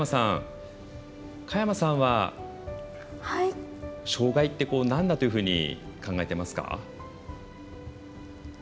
佳山さんは障がいってなんだというふうに考えていますか？